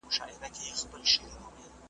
طبیب وکتل چي ښځه نابینا ده `